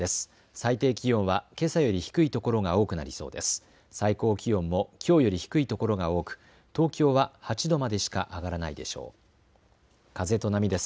最低気温はけさより低いところが多くなりそうです。